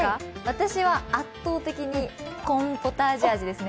私は圧倒的にコーンポタージュ味ですね。